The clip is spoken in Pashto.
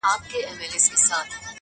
o روح مي لا ورک دی، روح یې روان دی.